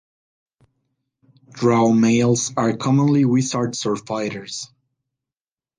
Drow males are commonly wizards or fighters.